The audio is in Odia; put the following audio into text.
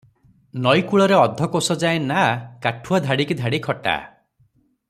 ନଈ କୂଳରେ ଅଧକୋଶଯାଏଁ ନାଆ କାଠୁଆ ଧାଡ଼ିକି ଧାଡ଼ି ଖଟା ।